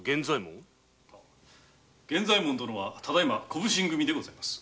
源左衛門殿は今は小普請組でございます。